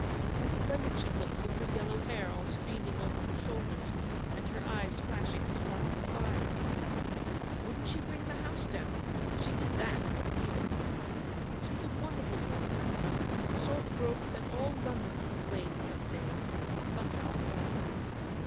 How splendid she looked with her yellow hair all streaming over her shoul ders, and her eyes flashing sparks of fire ! Wouldn't she bring the house down, if she did that at the Phoenix ? She's a wonderful girl, aunty; the sort of girl to set all London in a blaze some day, somehow or other.